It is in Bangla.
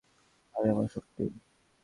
আর এ আমার শক্তি।